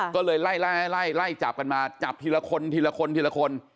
ก็เลยไล่ไล่จับกันมาจับทีละคนทีละคนทีละคน